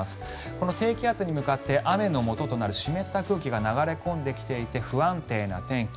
この低気圧に向かって雨のもととなる湿った空気が流れ込んできていて不安定な天気。